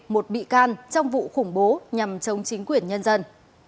một bị can trong vụ khủng bố nhằm chống chính quyền nhân dân